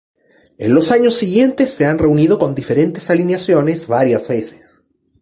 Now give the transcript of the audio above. En los años siguientes se han reunido con diferentes alineaciones varias veces.